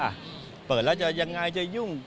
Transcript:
อ่ะเปิดแล้วจะยังไงจะยุ่ง